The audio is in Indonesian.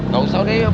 gak usah udah iya put